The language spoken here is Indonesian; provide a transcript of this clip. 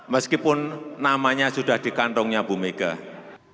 meskipun namanya sudah di kantongnya bu megawati